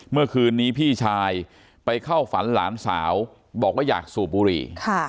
เมื่อคืนนี้พี่ชายไปเข้าฝันหลานสาวบอกว่าอยากสูบบุหรี่